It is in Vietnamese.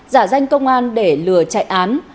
giả danh công an để lừa chạy án